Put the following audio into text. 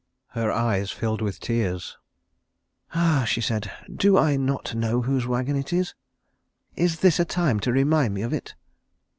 Her eyes filled with tears. "Ah," she said, "do I not know whose wagon it is? Is this a time to remind me of it?"